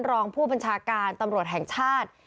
รองผู้บัญชาการตำรวจแห่งชาติ